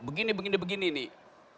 begini begini begini nih